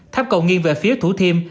tháp cầu nghiêng về phía thủ thiêm